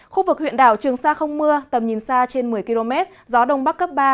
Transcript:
khu vực huyện đảo trường sa không mưa tầm nhìn xa trên một mươi km gió đông bắc cấp ba